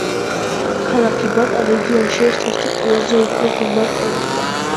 ქალაქი ბატა რეგიონში ერთ-ერთი ყველაზე უფრო ღრმა პორტია.